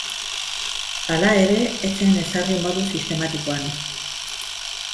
Hala ere ez zen ezarri modu sistematikoan.